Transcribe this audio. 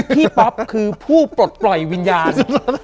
ป๊อปคือผู้ปลดปล่อยวิญญาณ